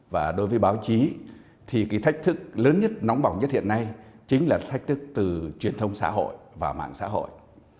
và đối với báo chí thì cái thách thức lớn nhất nóng bỏng nhất hiện nay chính là thách thức từ truyền thông xã hội và mạng xã hội